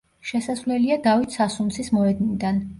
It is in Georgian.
შესასვლელია დავით სასუნცის მოედნიდან.